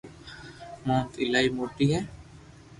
مونٽ ايلائي موٽي ھي